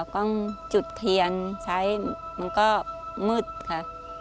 ก็จุดเขียนใช้มันก็มืดค่ะ